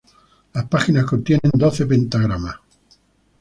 Las páginas contienen doce pentagramas.